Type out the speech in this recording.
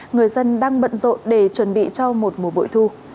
người dân đang bận rộn để chuẩn bị cho một mùa bội thu